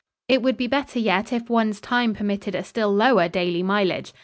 ] It would be better yet if one's time permitted a still lower daily mileage.